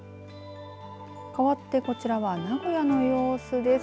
かわって、こちらは名古屋の様子です。